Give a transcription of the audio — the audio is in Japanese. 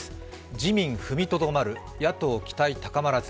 自民踏みとどまる、野党期待高まらず。